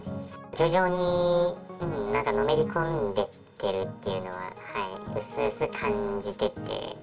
徐々になんかのめり込んでいってるっていうのは、薄々感じてて。